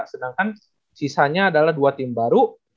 sedangkan sisanya adalah dua tim baru